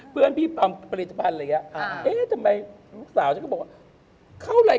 เมื่อกี้ไม่ได้ลาด่อจริงเต้นยังไม่ได้แล้ว